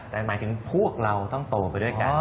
แต่หมายถึงพวกเราต้องโตไปด้วยกัน